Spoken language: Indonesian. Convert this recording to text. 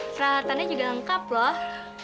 peralatannya juga lengkap loh